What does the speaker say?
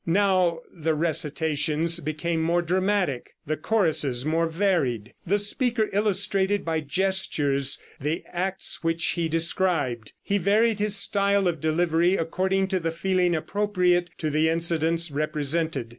Now the recitations became more dramatic, the choruses more varied. The speaker illustrated by gestures the acts which he described; he varied his style of delivery according to the feeling appropriate to the incidents represented.